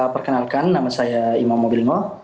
perkenalkan nama saya imam mobil